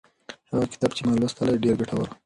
هغه کتاب چې ما لوستلی ډېر ګټور و.